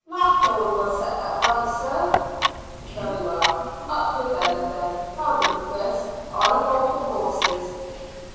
"Lanthorn will set that right, sir." "Very well. Up with them, then. Help him, Chris; I'll hold the horses."